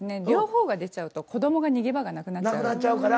両方が出ちゃうと子供が逃げ場がなくなっちゃう。